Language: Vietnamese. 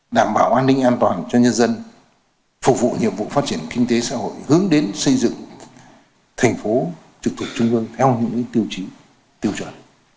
đảm bảo an ninh an toàn cho nhân dân phục vụ nhiệm vụ phát triển kinh tế xã hội hướng đến xây dựng thành phố trực thuộc trung ương theo những tiêu chí tiêu chuẩn